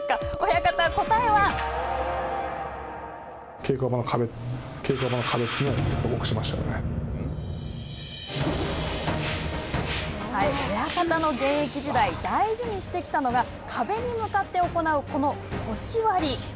親方の現役時代大事にしてきたのが壁に向かって行う、この腰割り。